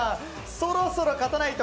そろそろ勝たないと。